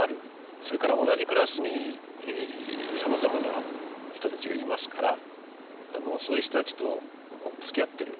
それから同じクラスにさまざまな人たちがいますからそういう人たちとつきあっている。